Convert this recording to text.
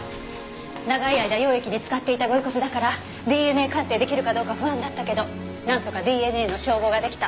長い間溶液に浸かっていた御遺骨だからＤＮＡ鑑定出来るかどうか不安だったけどなんとかＤＮＡの照合が出来た。